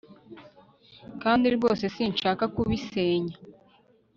kandi rwose sinshaka kubisenya